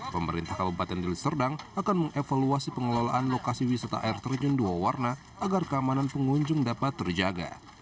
pemerintah kabupaten deli serdang akan mengevaluasi pengelolaan lokasi wisata air terjun dua warna agar keamanan pengunjung dapat terjaga